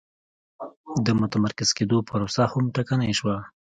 د متمرکز کېدو پروسه هم ټکنۍ شوه.